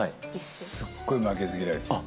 すごい負けず嫌いですよね。